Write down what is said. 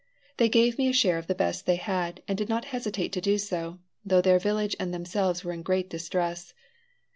They gave me a share of the best they had, and did not hesitate to do so, though their village and themselves were in the greatest distress.